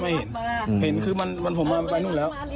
ไม่เห็นเห็นคือมันผ่มมันไปนุ่มแล้ว